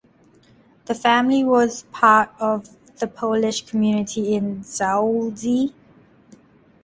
The family was part of the Polish community in Zaolzie.